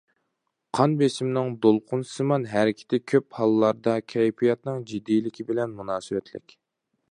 قان بېسىمنىڭ دولقۇنسىمان ھەرىكىتى كۆپ ھاللاردا كەيپىياتنىڭ جىددىيلىكى بىلەن مۇناسىۋەتلىك.